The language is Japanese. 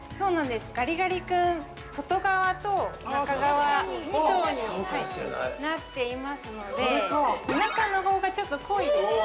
◆ガリガリ君、外側と中側、２層になっていますので、中のほうがちょっと濃いですね。